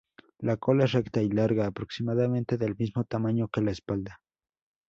La cola es recta y larga, aproximadamente del mismo tamaño que la espalda.